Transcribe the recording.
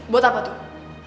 buat apa tuh